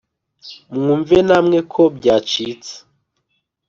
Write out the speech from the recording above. mwumve namwe ko byacitse